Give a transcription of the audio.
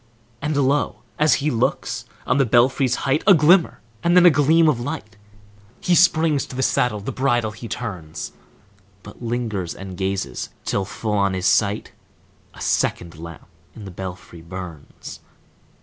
And lo! as he looks, on the belfry's height A glimmer, and then a gleam of light! He springs to the saddle, the bridle he turns, But lingers and gazes, till full on his sight A second lamp in the belfry burns!